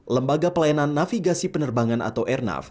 lembaga pelayanan navigasi penerbangan atau airnav